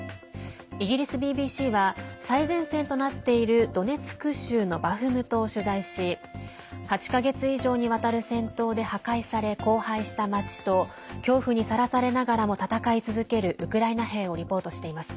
イギリスＢＢＣは最前線となっているドネツク州のバフムトを取材し８か月以上にわたる戦闘で破壊され荒廃した町と恐怖にさらされながらも戦い続けるウクライナ兵をリポートしています。